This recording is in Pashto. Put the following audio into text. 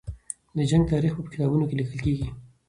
د جنګ تاریخ به په کتابونو کې لیکل کېږي.